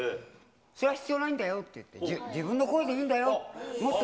それは必要ないんだよって、自分の声でいいんだよって、もっと。